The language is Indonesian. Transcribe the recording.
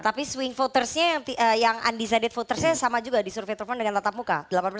tapi swing votersnya yang undecided votersnya sama juga di survei telepon dengan tatap muka